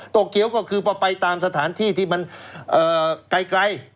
เขียวก็คือพอไปตามสถานที่ที่มันไกล